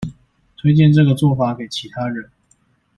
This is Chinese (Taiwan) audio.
推薦這個做法給其他人